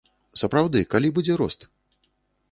Сапраўды, калі будзе рост?